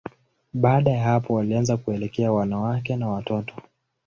Baada ya hapo, walianza kuelekea wanawake na watoto.